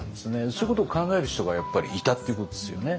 そういうことを考える人がやっぱりいたっていうことですよね。